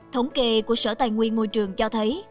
thống kê của sở tài nguyên môi trường cho thấy